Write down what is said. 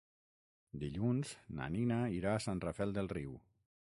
Dilluns na Nina irà a Sant Rafel del Riu.